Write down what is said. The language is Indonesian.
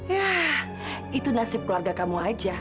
ya itu nasib keluarga kamu aja